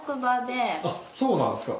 そうなんですか。